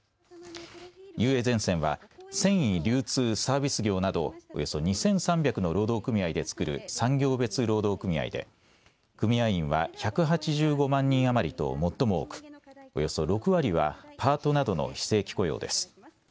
ゼンセンは繊維、流通、サービス業などおよそ２３００の労働組合で作る産業別労働組合で組合員は１８５万人余りと最も多くおよそ６割はパートなどの非正規雇用です。